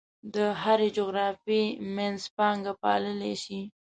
د هرې جغرافیې منځپانګه پاللی شي.